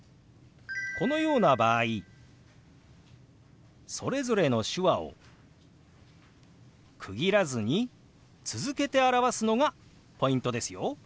このような場合それぞれの手話を区切らずに続けて表すのがポイントですよ。